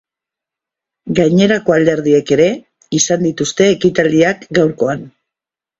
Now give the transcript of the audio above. Gainerako alderdiek ere izan dituzte ekitaldiak gaurkoan.